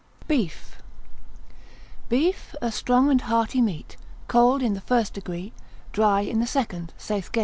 Beef.] Beef, a strong and hearty meat (cold in the first degree, dry in the second, saith Gal.